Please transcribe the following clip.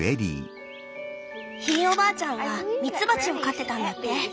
ひいおばあちゃんはミツバチを飼ってたんだって。